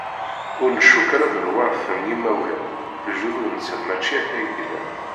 Ur ncuk ara d lwert n yimawlan, lejdud-nsen mačči akka i llan.